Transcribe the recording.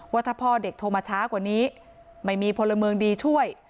ว่าถ้าพ่อเด็กโทรมาช้ากว่านี้ไม่มีพลเมืองดีช่วย